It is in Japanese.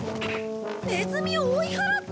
ネズミを追い払った！